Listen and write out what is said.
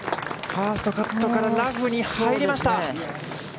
ファーストカットからラフに入りました。